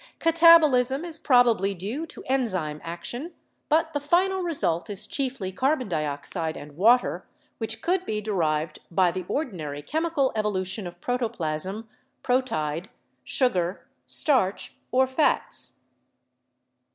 Katabolism is probably due to enzyme action, but the final result is chiefly carbon dioxide and water, which could be deiived by the ordinary chemical evolution of protoplasm, proteid, sugar, starch or fats.